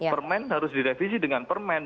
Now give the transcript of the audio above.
permen harus direvisi dengan permen